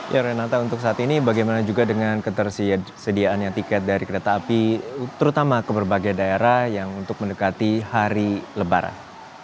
ya renata untuk saat ini bagaimana juga dengan ketersediaannya tiket dari kereta api terutama ke berbagai daerah yang untuk mendekati hari lebaran